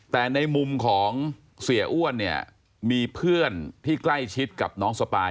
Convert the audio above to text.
แต่ในมุมของเสียอ้วนเนี่ยมีเพื่อนที่ใกล้ชิดกับน้องสปาย